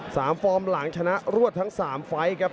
ฟอร์มหลังชนะรวดทั้งสามไฟล์ครับ